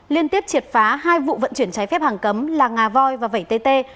liên tiếp triệt phá hai vụ vận chuyển trái phép hàng cấm là ngà voi và vẩy tê tê